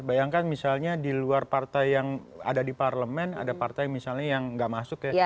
bayangkan misalnya di luar partai yang ada di parlemen ada partai misalnya yang nggak masuk ya